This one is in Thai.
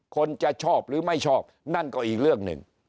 คนจะชอบหรือไม่ชอบนั่นก็อีกเรื่องหนึ่ง